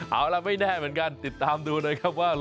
เอาล่ะไม่แน่เหมือนกันติดตามดูนะครับว่า